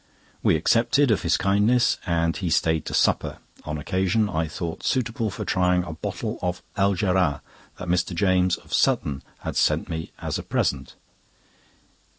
We accepted of his kindness, and he stayed to supper, an occasion I thought suitable for trying a bottle of the sparkling Algéra that Mr. James (of Sutton) had sent as a present.